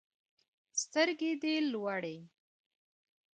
سترګي دي لوړی